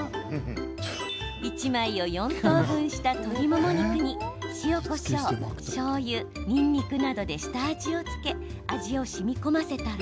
１枚を４等分した鶏もも肉に塩、こしょう、しょうゆにんにくなどで下味を付け味をしみこませたら。